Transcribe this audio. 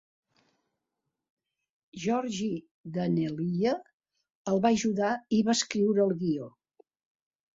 Georgi Daneliya el va ajudar i va escriure el guió.